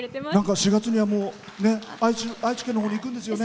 ４月には愛知県のほうに行くんですよね。